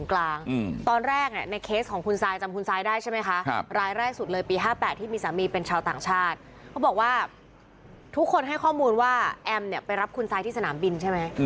คนร้ายแรกสุดเลยปี๕๘ก็บอกว่าทุกคนให้ข้อมูลว่าแอมม์ไปรับคุณสายที่สนามบินใช่ไหม